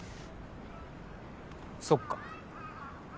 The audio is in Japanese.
そっか。